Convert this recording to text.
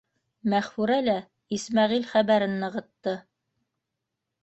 Мәғфүрә лә Исмәғил хәбәрен нығытты: